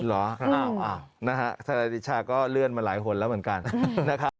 ทนายเดชาก็เลื่อนมาหลายคนแล้วเหมือนกันนะครับ